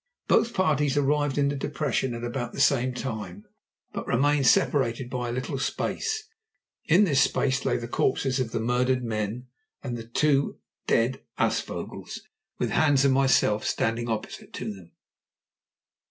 Both parties arrived in the depression at about the same time, but remained separated by a little space. In this space lay the corpses of the murdered men and the two dead aasvogels, with Hans and myself standing opposite to them.